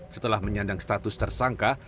setelah menyandang status tersangka